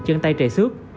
chân tay trẻ sước